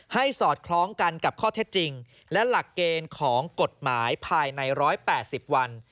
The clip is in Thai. สอดคล้องกันกับข้อเท็จจริงและหลักเกณฑ์ของกฎหมายภายใน๑๘๐วัน